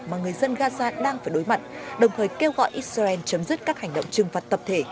mà người dân gaza đang phải đối mặt đồng thời kêu gọi israel chấm dứt các hành động trừng phạt tập thể